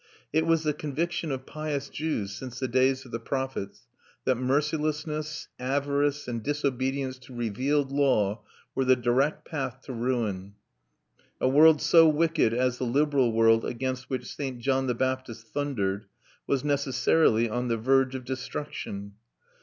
It was the conviction of pious Jews since the days of the Prophets that mercilessness, avarice, and disobedience to revealed law were the direct path to ruin; a world so wicked as the liberal world against which St. John the Baptist thundered was necessarily on the verge of destruction.